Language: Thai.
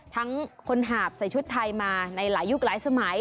ทั้งคนหาบใส่ชุดไทยมาในหลายยุคหลายสมัย